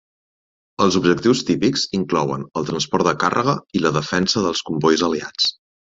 Els objectius típics inclouen el transport de càrrega i la defensa del combois aliats.